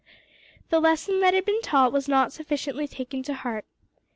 The lesson that had been taught was not sufficiently taken to heart.